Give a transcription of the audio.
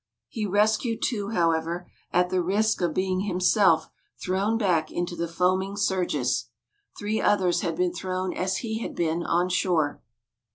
He rescued two, however, at the risk of being himself thrown back into the foaming surges. Three others had been thrown as he had been on shore.